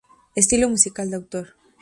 Estilo musical de autor.